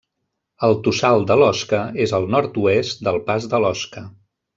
El Tossal de l'Osca és al nord-oest del Pas de l'Osca.